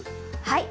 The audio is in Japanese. はい。